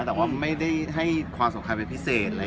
แต่เขาไม่ได้ให้ความสดใจมันเป็นที่พิเศษ